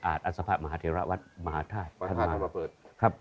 อาจอันสภะมหาเทราะห์วัดมหาธาตุ